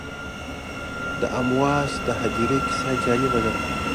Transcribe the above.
د امواس د هدیرې کیسه جالبه ده.